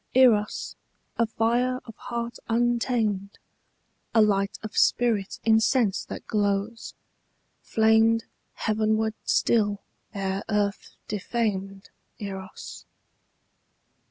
Eros, a fire of heart untamed, A light of spirit in sense that glows, Flamed heavenward still ere earth defamed Eros.